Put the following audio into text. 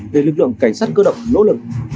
về lực lượng cảnh sát cơ độc nỗ lực